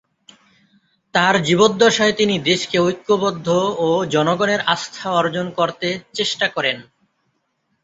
তার জীবদ্দশায় তিনি দেশকে ঐক্যবদ্ধ ও জনগণের আস্থা অর্জন করতে চেষ্টা করেন।